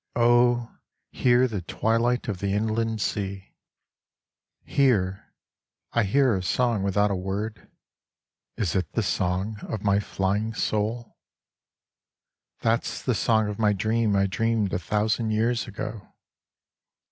Oh, here the twilight of the Inland Sea ! Here I hear a song without a word, (Is it the song of my flying soul ?) That's the song of my dream I dreamed a thousand years ago.